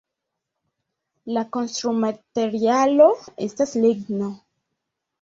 La konstrumaterialo estas ligno.